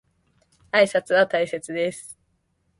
挨拶は大切です。